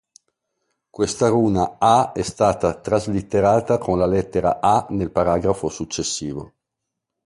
Questa runa "a" è stata traslitterata con la lettera A nel paragrafo successivo.